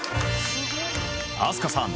飛鳥さん